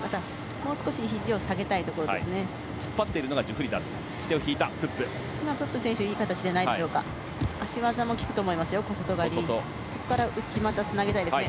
もう少しひじを下げたいですね。